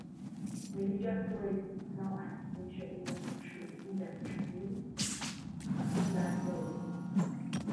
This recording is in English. Religious tourism is now an essential industry in Plateros.